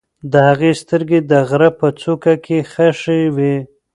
د هغې سترګې د غره په څوکه کې خښې وې.